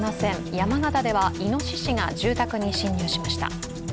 山形ではいのししが住宅に侵入しました。